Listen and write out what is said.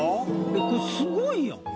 これすごいやん。